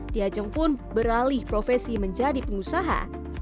diajeng pun beralih profesi menjadi pengusaha